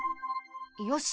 よし。